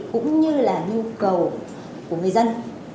cũng như là nhu cầu của người dân